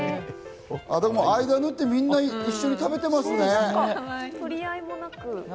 間を縫って、みんな一緒に食べてますね。